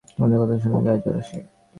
তোদের কথা শুনলে গায়ে জ্বর আসে।